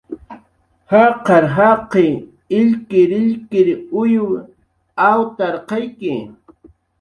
Jaqar jaqi illkirillkir uyw awtarqayki